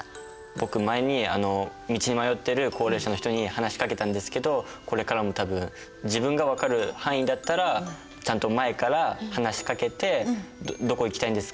僕前に道に迷ってる高齢者の人に話しかけたんですけどこれからも多分自分が分かる範囲だったらちゃんと前から話しかけて「どこ行きたいんですか？」